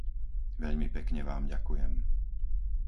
Veľmi pekne vám ďakujem.